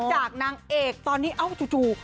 นางเอกตอนนี้เอ้าจู่